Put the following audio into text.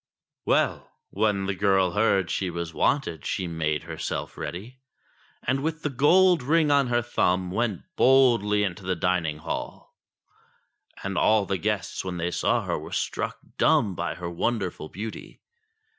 Well ! when the girl heard she was wanted she made herself ready, and with the gold ring on her thumb, went boldly into the dining hall. And all the guests when they saw her were struck dumb by her wonderful beauty.